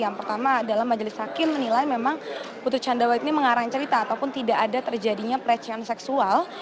yang pertama adalah majelis hakim menilai memang putri candrawati ini mengarang cerita ataupun tidak ada terjadinya pelecehan seksual